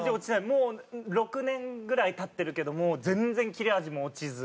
もう６年ぐらい経ってるけど全然切れ味も落ちず。